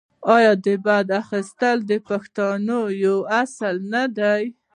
آیا بدل اخیستل د پښتونولۍ یو اصل نه دی؟